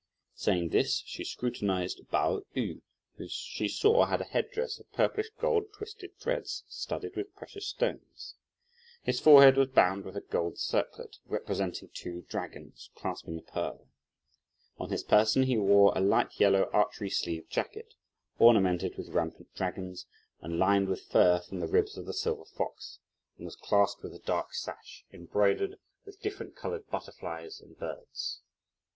Saying this she scrutinised Pao yü, who she saw had a head dress of purplish gold twisted threads, studded with precious stones. His forehead was bound with a gold circlet, representing two dragons, clasping a pearl. On his person he wore a light yellow, archery sleeved jacket, ornamented with rampant dragons, and lined with fur from the ribs of the silver fox; and was clasped with a dark sash, embroidered with different coloured butterflies and birds.